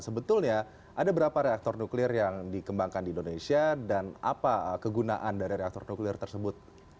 sebetulnya ada berapa reaktor nuklir yang dikembangkan di indonesia dan apa kegunaan dari reaktor nuklir tersebut